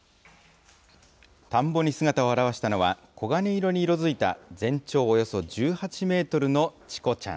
田んぼに姿を現したのは、黄金色に色づいた、全長およそ１８メートルのチコちゃん。